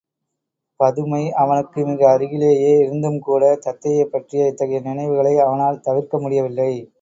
பதுமை அவனுக்கு மிக அருகிலேயே இருந்தும்கூடத் தத்தையைப் பற்றிய இத்தகைய நினைவுகளை அவனால் தவிர்க்க முடியவில்லை.